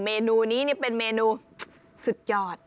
เมนูนี้เป็นเมนูสุดยอด